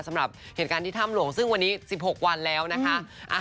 สำหรับเหตุการณ์ที่ถ้ำหลวงซึ่งวันนี้๑๖วันแล้วนะคะ